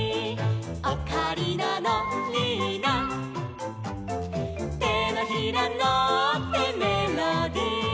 「オカリナのリーナ」「てのひらのってメロディ」